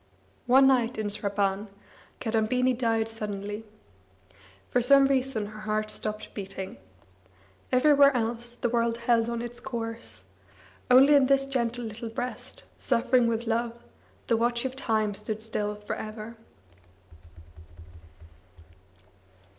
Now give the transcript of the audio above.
One night in Sraban Kadambini died suddenly. For some reason her heart stopped beating. Everywhere else the world held on its course; only in this gentle little breast, suffering with love, the watch of time stood still for ever.